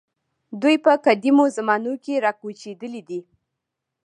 دوی په قدیمو زمانو کې راکوچېدلي دي.